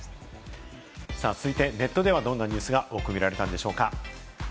続いては、ネットではどんなニュースが多く見られたんでしょうか？